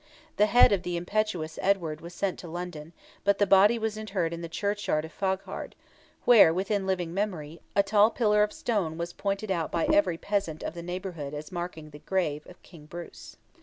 The head of the impetuous Edward was sent to London; but the body was interred in the churchyard of Faughard, where, within living memory, a tall pillar stone was pointed out by every peasant of the neighbourhood as marking the grave of "King Bruce."